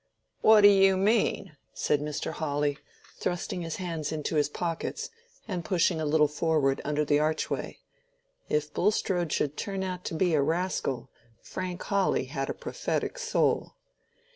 "What do you mean?" said Mr. Hawley, thrusting his hands into his pockets, and pushing a little forward under the archway. If Bulstrode should turn out to be a rascal, Frank Hawley had a prophetic soul.